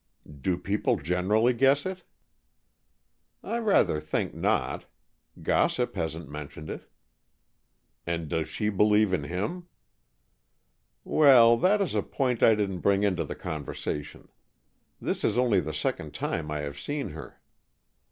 "Do people generally guess it?" "I rather think not. Gossip hasn't mentioned it." "And does she believe in him?" "Well, that is a point I didn't bring into the conversation. This is only the second time I have seen her."